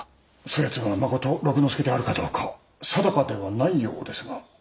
そ奴がまこと六之助であるかどうか定かではないようですが？